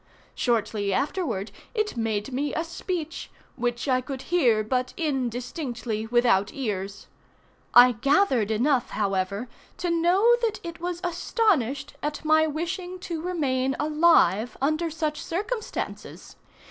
Shortly afterward it made me a speech, which I could hear but indistinctly without ears. I gathered enough, however, to know that it was astonished at my wishing to remain alive under such circumstances.